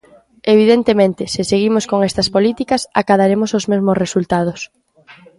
Evidentemente, se seguimos con estas políticas, acadaremos os mesmos resultados.